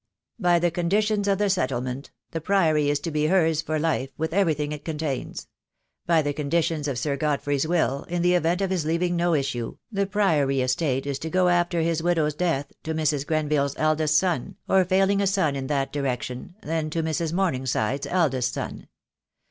"By the conditions of the settlement, the Priory is to be hers for her life, with everything it contains. By the conditions of Sir Godfrey's will, in the event of his leav ing no issue, the Priory estate is to go after his widow's death to Mrs. Grenville's eldest son, or failing a son in that direction, then to Mrs. Morningside's eldest son.